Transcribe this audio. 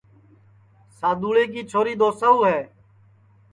سادُؔوݪے کی چھوری دؔوساؤ ہے